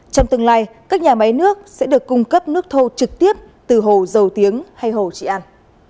trong tương lai các nhà máy nước sẽ được cung cấp nước thô trực tiếp từ hồ dầu tiếng hay hồ trị an